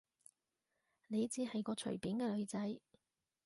你只係個隨便嘅女仔